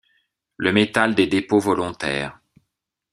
Le métal des dépôts volontaires.